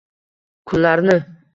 kunlarni